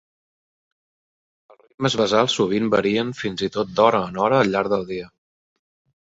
Els ritmes basals sovint varien fins i tot d'hora en hora al llarg del dia.